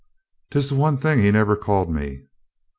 " 'Tis the one thing he never called me."